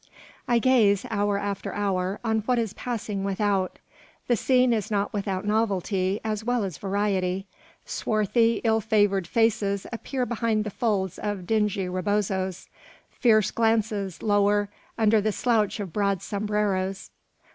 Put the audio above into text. I gaze, hour after hour, on what is passing without. The scene is not without novelty as well as variety. Swarthy, ill favoured faces appear behind the folds of dingy rebozos. Fierce glances lower under the slouch of broad sombreros.